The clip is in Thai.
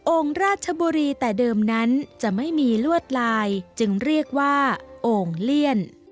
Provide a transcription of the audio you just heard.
ราชบุรีแต่เดิมนั้นจะไม่มีลวดลายจึงเรียกว่าโอ่งเลี่ยน